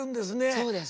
そうです。